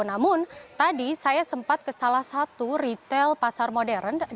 namun tadi saya sempat ke salah satu retail pasar modern di kawasan jakarta